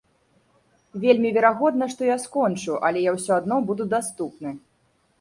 Вельмі верагодна, што я скончу, але я ўсё адно буду даступны.